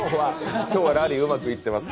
今日はラリーうまくいってます。